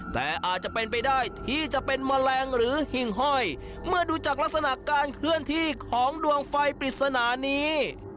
แต่อาจจะเป็นไปได้ที่จะเป็นแมลงหรือหิ่งห้อยเมื่อดูจากลักษณะการเคลื่อนที่ของดวงไฟปริศนานี้